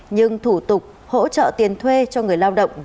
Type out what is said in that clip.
nhưng thủ tục hỗ trợ tiền thuê cho người lao động